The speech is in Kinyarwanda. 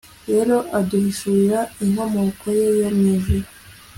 rero, aduhishurira inkomoko ye yo mwijuru